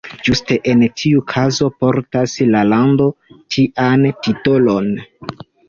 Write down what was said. Juste en ĉiu kazo portas la lando tian titolon!